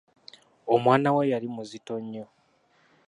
Omwana we yali muzito nnyo.